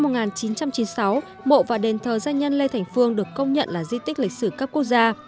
năm một nghìn chín trăm chín mươi sáu mộ và đền thờ gia nhân lê thành phương được công nhận là di tích lịch sử cấp quốc gia